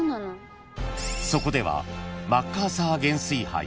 ［そこでは］